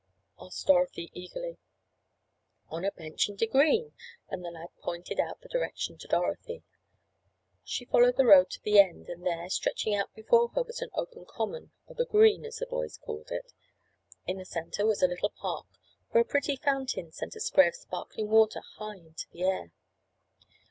asked Dorothy, eagerly. "On a bench in de green." And the lad pointed out the direction to Dorothy. She followed the road to the end and there, stretching out before her was an open common, or the green, as the boys called it. In the centre was a little park, where a pretty fountain sent a spray of sparkling water high into the air.